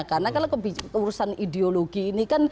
karena kalau keurusan ideologi ini kan